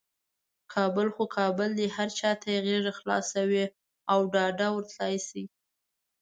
کابل خو کابل دی، هر چاته یې غیږه خلاصه وي او ډاده ورتللی شي.